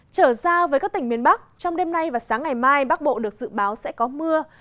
trở ra với các tỉnh miền bắc trong đêm nay và sáng ngày mai bắc bộ được dự báo sẽ có mưa